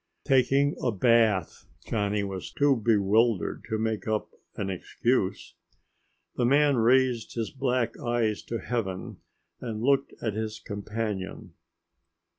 "Taking a bath." Johnny was too bewildered to make up an excuse. The man raised his black eyes to heaven and looked at his companion.